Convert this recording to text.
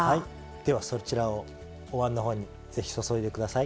ではそちらをおわんのほうにぜひ注いで下さい。